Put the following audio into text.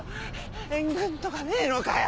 援軍とかねえのかよ！